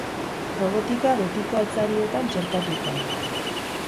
Robotika betiko altzarietan txertatuta.